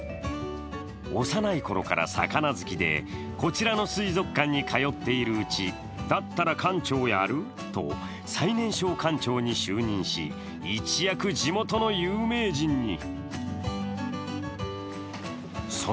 幼いころから魚好きでこちらの水族館に通っているうちだったら館長やる？と最年少館長に就任し、一躍、地元の有名人に。